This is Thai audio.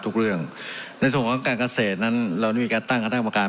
ทุกเรื่องในส่วนของการเกษตรนั้นเราได้มีการตั้งคณะกรรมการ